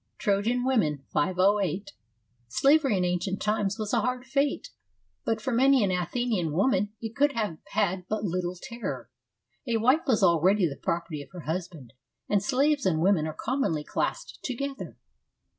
(Trojan Women, 508.) Slavery in ancient times was a hard fate, but for many an 62 FEMINISM IN GREEK LITERATURE Athenian woman it could have had but little terror. A wife was already the property of her husband, and slaves and women are commonly classed together.